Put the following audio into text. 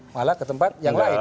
malah ke tempat yang lain